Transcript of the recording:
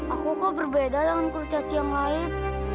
aku kok berbeda dengan kru caci yang lain